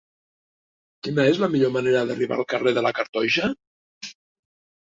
Quina és la millor manera d'arribar al carrer de la Cartoixa?